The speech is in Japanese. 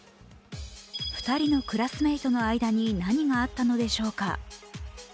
２人のクラスメートの間に何があったのでしょうか。